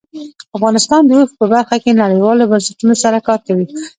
افغانستان د اوښ په برخه کې نړیوالو بنسټونو سره کار کوي.